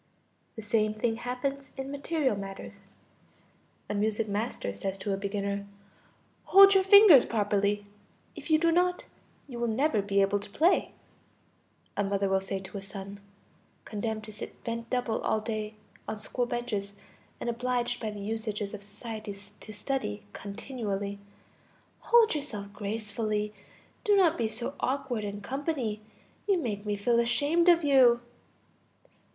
The same thing happens in material matters; a music master says to a beginner: "Hold your fingers properly; if you do not, you will never be able to play." A mother will say to a son condemned to sit bent double all day on school benches, and obliged by the usages of society to study continually: "Hold yourself gracefully, do not be so awkward in company, you make me feel ashamed of you."